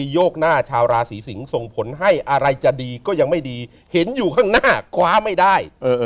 โยกหน้าชาวราศีสิงศ์ส่งผลให้อะไรจะดีก็ยังไม่ดีเห็นอยู่ข้างหน้าคว้าไม่ได้